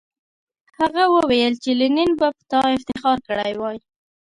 هغه وویل چې لینن به په تا افتخار کړی وای